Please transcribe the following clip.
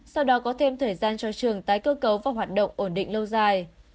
sau đó có thêm thời gian cho trường tái cơ cấu và hoạt động ổn định lâu dài